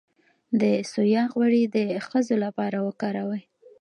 د سویا غوړي د ښځو لپاره وکاروئ